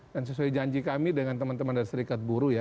dan sesuai janji kami dengan teman teman dari serikat buru ya